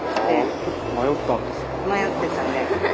迷ってたね。